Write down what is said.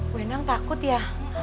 bu endang takut ya